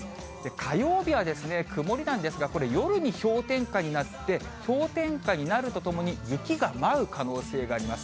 火曜日は曇りなんですが、これ、夜に氷点下になって、氷点下になるとともに、雪が舞う可能性があります。